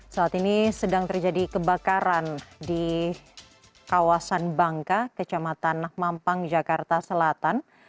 saat ini sedang terjadi kebakaran di kawasan bangka kecamatan mampang jakarta selatan